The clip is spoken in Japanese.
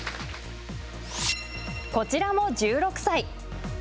こちらも１６歳。